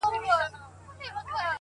خو دلته خبره د نازیه اقبال